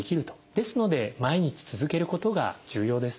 ですので毎日続けることが重要です。